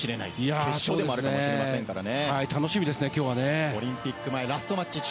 決勝でもあるかもしれないですからね。